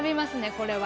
これは。